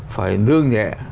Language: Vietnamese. phải nương nhẹ